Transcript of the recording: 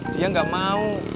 dia gak mau